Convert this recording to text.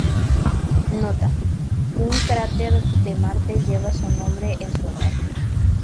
Nota: Un cráter de Marte lleva su nombre en su honor.